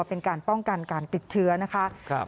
เป็นการป้องกันการติดเชื้อนะคะ